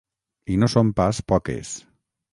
I no són pas poques.